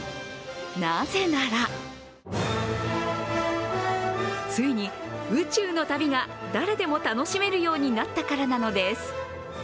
なぜならついに宇宙の旅が誰でも楽しめるようになったからなのです。